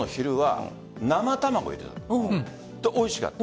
おいしかった。